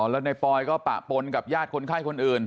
แล้วในปอยก็ปะปนกับญาติคนไข้คนอื่น